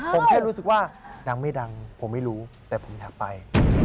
ผมแค่รู้สึกว่าดังไม่ดังผมไม่รู้แต่ผมอยากไป